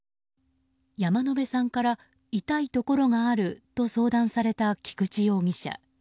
山野辺さんから痛いところがあると相談された菊池容疑者。